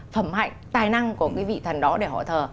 phẩm mạnh tài năng của cái vị thần đó để họ thờ